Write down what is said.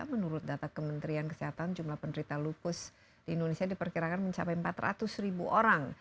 menurut data kementerian kesehatan jumlah penderita lupus di indonesia diperkirakan mencapai empat ratus ribu orang